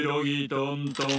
トントン